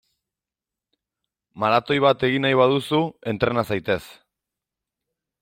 Maratoi bat egin nahi baduzu, entrena zaitez!